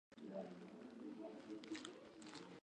رابرټ له شکېدلي مخ سره تاو راتاو شو.